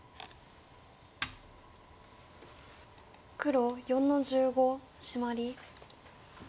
黒４の十五シマリ。